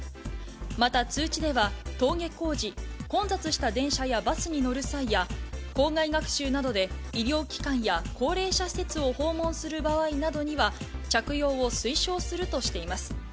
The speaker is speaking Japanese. また通知では、登下校時、混雑した電車やバスに乗る際や、校外学習などで医療機関や高齢者施設を訪問する場合などには、着用を推奨するとしています。